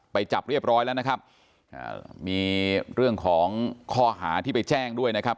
ไปจับเรียบร้อยแล้วนะครับอ่ามีเรื่องของข้อหาที่ไปแจ้งด้วยนะครับ